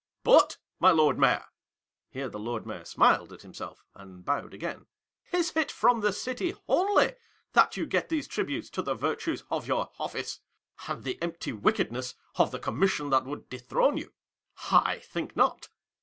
But, my Lord Mayor;" here the Lord Mayor smiled at himself and bowed again ;" is it from the City only, that you get these tributes to the virtues of your office, and the empty wickedness of the Commission that would dethrone you 1 I think* not.